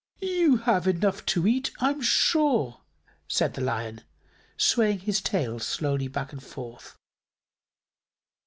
"You have enough to eat, I'm sure," said the Lion, swaying his tail slowly back and forth.